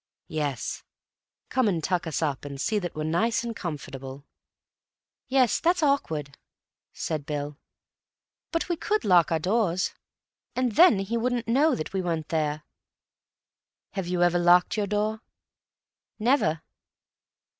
"Yes. Come and tuck us up, and see that we're nice and comfortable." "Yes, that's awkward," said Bill. "But we could lock our doors, and then he wouldn't know that we weren't there." "Have you ever locked your door?" "Never."